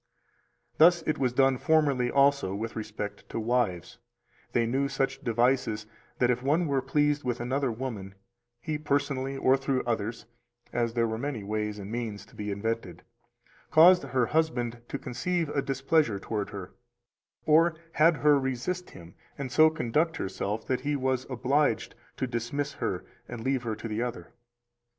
305 Thus it was done formerly also with respect to wives: they knew such devices that if one were pleased with another woman, he personally or through others (as there were many ways and means to be invented) caused her husband to conceive a displeasure toward her, or had her resist him and so conduct herself that he was obliged to dismiss her and leave her to the other.